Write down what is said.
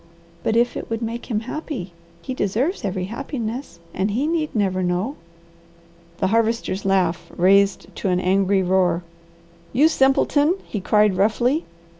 "But if it would make him happy? He deserves every happiness, and he need never know!" The Harvester's laugh raised to an angry roar. "You simpleton!" he cried roughly.